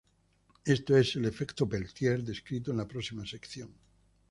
Esto es el efecto Peltier, descrito en la próxima sección.